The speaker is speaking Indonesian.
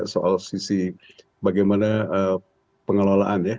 soal sisi bagaimana pengelolaan ya